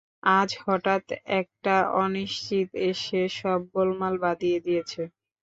আজ হঠাৎ একটা অনিশ্চিত এসে সব গোলমাল বাধিয়ে দিয়েছে।